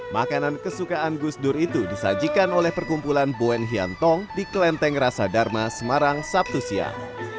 makanan kesukaan gus dur itu disajikan oleh perkumpulan boen hyantong di kelenteng rasa dharma semarang sabtu siang